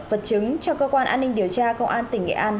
vật chứng cho cơ quan an ninh điều tra công an tỉnh nghệ an